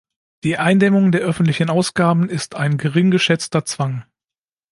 Die Eindämmung der öffentlichen Ausgaben ist ein gering geschätzter Zwang.